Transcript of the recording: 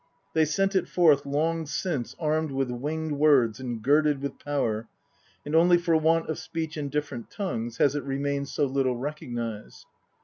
They sent it forth long since armed with winged words and girded with power, and only for want of speech in different tongues has it remained so little recognised.